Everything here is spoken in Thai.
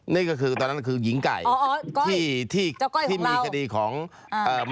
นี่ก็คือตอนนั้นคือหญิงไก่อ๋ออ๋อจ้าก๊อยของเรา